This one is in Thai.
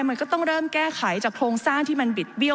มันก็ต้องเริ่มแก้ไขจากโครงสร้างที่มันบิดเบี้ย